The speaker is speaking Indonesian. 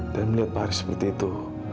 dan melihat pak haris seperti itu